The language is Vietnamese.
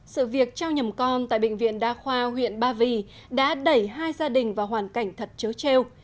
sự việc trao nhầm con tại bệnh viện đa khoa huyện ba vì đã đẩy hai gia đình vào hoàn cảnh thật chớ treo